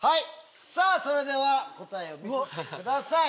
それでは答えを見せてください。